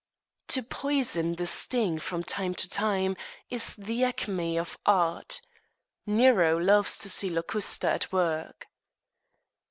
To poison the sting, from time to time, is the acme of art. Nero loves to see Locusta at work.